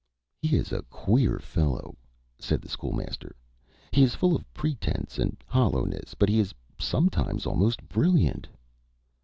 "He is a queer fellow," said the School Master. "He is full of pretence and hollowness, but he is sometimes almost brilliant."